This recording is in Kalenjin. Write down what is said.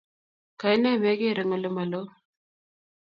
Kaine megeer eng olemaloo?